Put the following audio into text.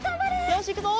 よしいくぞ！